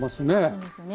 そうですね